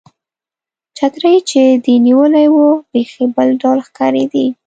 چترۍ چې دې نیولې وه، بیخي بل ډول ښکارېدې.